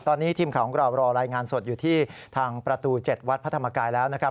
ตอนนี้ทีมข่าวของเรารอรายงานสดอยู่ที่ทางประตู๗วัดพระธรรมกายแล้วนะครับ